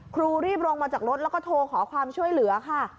ครูรีบลงมาจากรถแล้วก็โทรขอความช่วยเหลือค่ะ